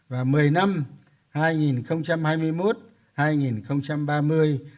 và một mươi năm